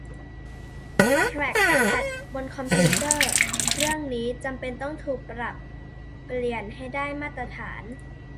แทร็คแพ็ดบนคอมพิวเตอร์เครื่องนี้จำเป็นต้องถูกปรับเปลี่ยนให้ได้มาตรฐาน